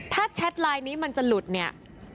ถ้าแชทไลน์นี้มันจะหลุดเนี่ย